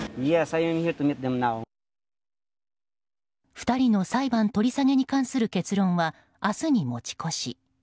２人の裁判取り下げに関する結論は明日に持ち越し。